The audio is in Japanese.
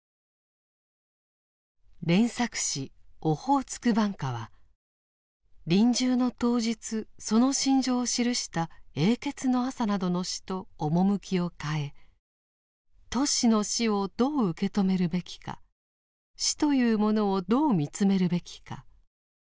連作詩「オホーツク挽歌」は臨終の当日その心情を記した「永訣の朝」などの詩と趣を変えトシの死をどう受け止めるべきか死というものをどう見つめるべきか。